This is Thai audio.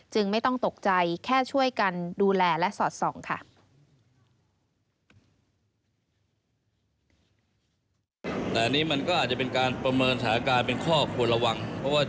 ไม่ต้องตกใจแค่ช่วยกันดูแลและสอดส่องค่ะ